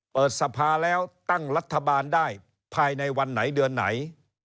เปิดสภาแล้วตั้งรัฐบาลได้ภายในวันไหนเดือนไหน